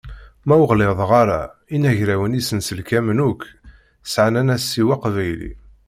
Ma ur ɣliḍeɣ ara, inagrawen isenselkamen akk sεan anasiw aqbayli.